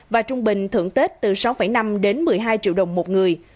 và trung bình thưởng tết từ sáu năm đến một mươi hai triệu đồng một người